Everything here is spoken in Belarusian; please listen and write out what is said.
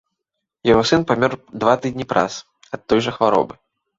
Яго сын памёр два тыдні праз ад той жа хваробы.